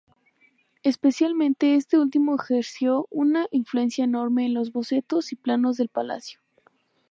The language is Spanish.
Especialmente este último ejerció una influencia enorme en los bocetos y planos del palacio.